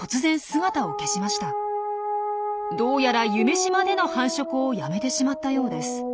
どうやら夢洲での繁殖をやめてしまったようです。